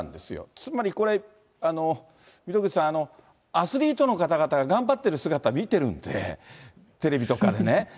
つまりこれ、溝口さん、アスリートの方々が頑張ってる姿見てるんで、テレビとかでね。